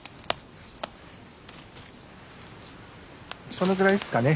このぐらいですかね